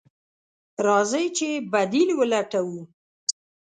راځئ چې بديل ولټوو.